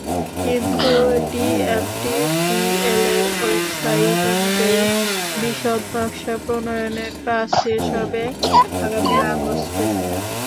কিন্তু ডিএমটিসিএলের ওয়েবসাইট অনুযায়ী, বিশদ নকশা প্রণয়নের কাজ শেষ হবে আগামী আগস্টে।